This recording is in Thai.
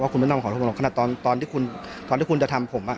แค่ตอนที่คุณจะทำผม